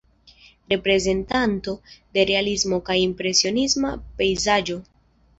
Reprezentanto de realismo kaj impresionisma pejzaĝo.